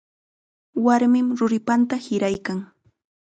Warmim ruripanta hiraykan.